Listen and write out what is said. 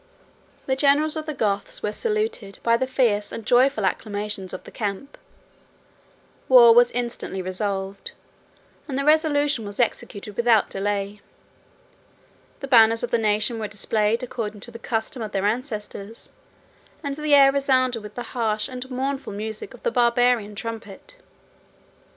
The generals of the Goths were saluted by the fierce and joyful acclamations of the camp; war was instantly resolved, and the resolution was executed without delay: the banners of the nation were displayed according to the custom of their ancestors; and the air resounded with the harsh and mournful music of the Barbarian trumpet.